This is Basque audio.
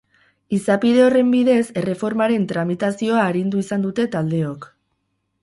Izapide horren bidez erreformaren tramitazioa arindu izan dute taldeok.